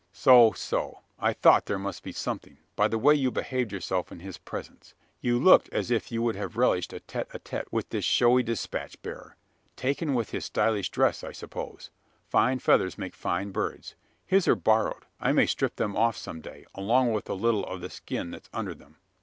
"So, so! I thought there must be something by the way you behaved yourself in his presence. You looked as if you would have relished a tete a tete with this showy despatch bearer. Taken with his stylish dress, I suppose? Fine feathers make fine birds. His are borrowed. I may strip them off some day, along with a little of the skin that's under them."